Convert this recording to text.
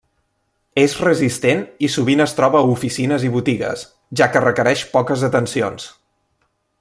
És resistent i sovint es troba a oficines i botigues, ja que requereix poques atencions.